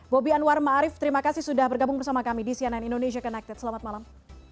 bobby anwar marief terima kasih sudah bergabung bersama kami di cnn indonesia connected selamat malam